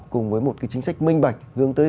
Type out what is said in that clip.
cùng với một cái chính sách minh bạch hướng tới